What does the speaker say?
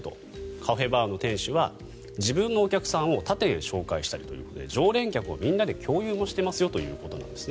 カフェバーの店主は自分のお客さんを他店へ紹介したりと常連客をみんなで共有もしてますよということです。